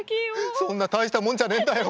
そんな大したもんじゃねえんだよ